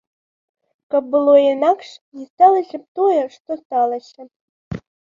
Каб было інакш, не сталася б тое, што сталася.